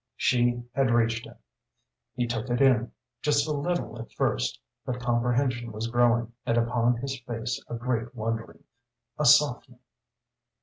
She had reached him. He took it in, just a little at first, but comprehension was growing, and upon his face a great wondering, a softening.